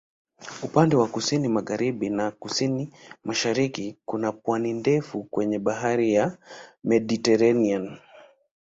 Upande wa kusini-magharibi na kusini-mashariki kuna pwani ndefu kwenye Bahari ya Mediteranea.